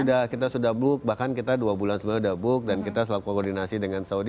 sudah kita sudah book bahkan kita dua bulan sebelumnya sudah book dan kita selalu koordinasi dengan saudi